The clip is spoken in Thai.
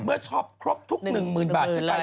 เมื่อชอบครบทุก๑๐๐๐๐บาท